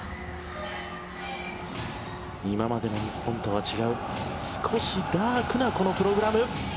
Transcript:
今までの日本とは違う少しダークなこのプログラム。